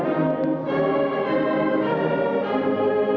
lagu kebangsaan indonesia raya